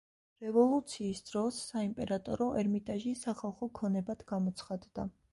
რევოლუციის დროს საიმპერატორო ერმიტაჟი სახალხო ქონებად გამოცხადდა.